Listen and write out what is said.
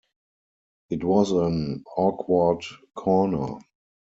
It was an awkward corner.